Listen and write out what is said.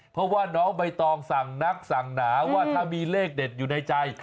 เพราะว่าน้องใบตองสั่งนักสั่งหนาว่าถ้ามีเลขเด็ดอยู่ในใจ